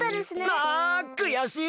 あくやしい！